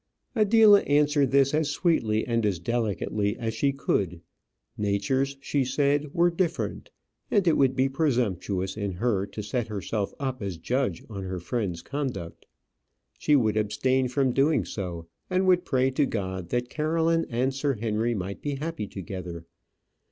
Adela answered this as sweetly and as delicately as she could. Natures, she said, were different, and it would be presumptuous in her to set herself up as judge on her friend's conduct. She would abstain from doing so, and would pray to God that Caroline and Sir Henry might be happy together.